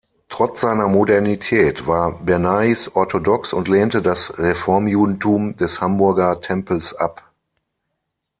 Trotz seiner Modernität war Bernays orthodox und lehnte das Reformjudentum des Hamburger Tempels ab.